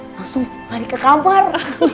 langsung lari ke kamar